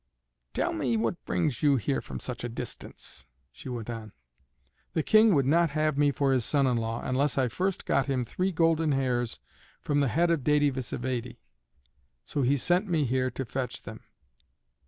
"Tell me what brings you here from such a distance," she went on. "The King would not have me for his son in law, unless I first got him three golden hairs from the head of Dède Vsévède. So he sent me here to fetch them."